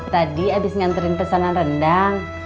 tadi abis nganterin pesanan rendang